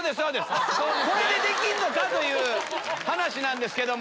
これでできんのか⁉という話なんですけども。